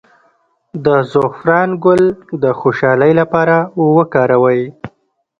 د زعفران ګل د خوشحالۍ لپاره وکاروئ